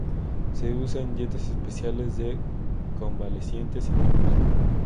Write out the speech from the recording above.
Se usa en dietas especiales de convalecientes y niños.